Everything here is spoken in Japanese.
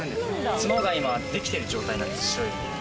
角が今できてる状態なんです。